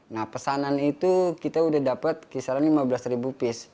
nah pesanan itu kita udah dapat kisaran lima belas ribu piece